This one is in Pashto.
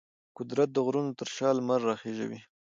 قدرت د غرونو تر شا لمر راخیژوي.